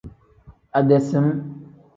Ade sim.